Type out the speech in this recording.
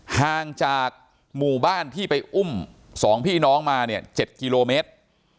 ห่างจากหมู่บ้านที่ไปอุ้ม๒พี่น้องมาเนี่ย๗กิโลเมตร